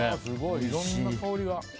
いろんな香りが。